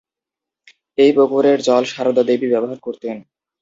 এই পুকুরের জল সারদা দেবী ব্যবহার করতেন।